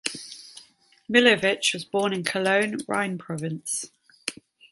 Millowitsch was born in Cologne, Rhine Province.